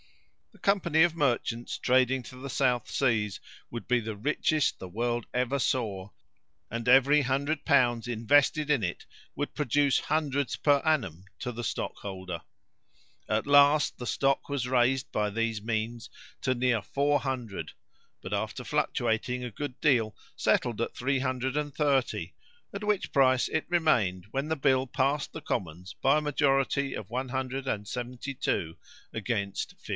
The company of merchants trading to the South Seas would be the richest the world ever saw, and every hundred pounds invested in it would produce hundreds per annum to the stockholder. At last the stock was raised by these means to near four hundred; but, after fluctuating a good deal, settled at three hundred and thirty, at which price it remained when the bill passed the Commons by a majority of 172 against 55.